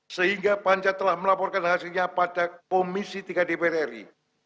sehingga panja telah melaporkan hasilnya pada komisi tiga dpr ri